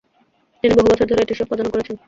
তিনি বহু বছর ধরে এটির সম্পাদনা করেছেন।